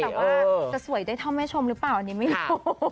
แต่ว่าจะสวยได้เท่าแม่ชมหรือเปล่าอันนี้ไม่รู้